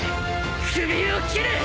首を斬る！